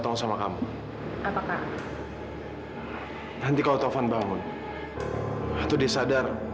tolong sama kamu apakah nanti kau tovan bangun atau disadar